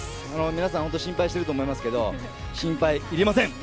皆さん、本当に心配していると思いますけれど心配いりません。